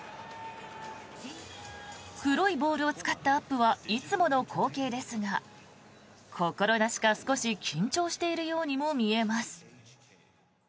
黒いボールを使ったアップはいつもの光景ですが心なしか少し緊張しているようにも見えます。